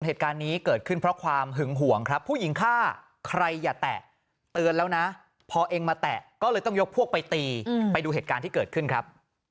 เหตุการณ์นี้เกิดขึ้นเพราะความหึงห่วงครับผู้หญิงฆ่าใครอย่าแตะเตือนแล้วนะพอเองมาแตะก็เลยต้องยกพวกไปตีไปดูเหตุการณ์ที่เกิดขึ้นครับ